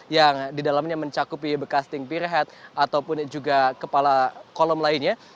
yang di dalamnya mencakupi bekas ting pirhead ataupun juga kepala kolom lainnya